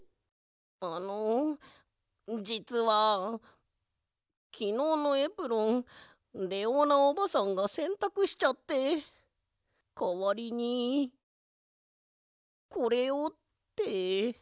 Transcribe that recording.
あのじつはきのうのエプロンレオーナおばさんがせんたくしちゃってかわりにこれをって。